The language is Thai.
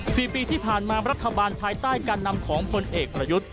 สี่ปีที่ผ่านมารัฐบาลภายใต้การนำของผลเอกประยุทธ์